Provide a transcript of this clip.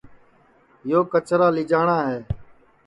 یو کچرا لیجاٹؔا ہے